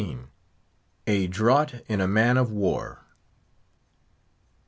A DRAUGHT IN A MAN OF WAR.